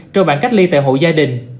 cho bạn cách ly tại hộ gia đình